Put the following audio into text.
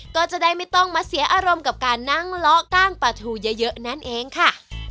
ก็จะได้ไม่ต้องมาเสียอารมณ์กับการนั่งเลาะกล้างปลาทูเยอะนั่นเองค่ะ